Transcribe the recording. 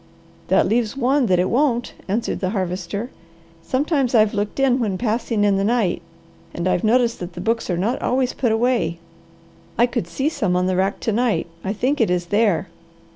"That leaves one that it won't," answered the Harvester. "Sometimes I've looked in when passing in the night, and I've noticed that the books are not always put away. I could see some on the rack to night. I think it is there."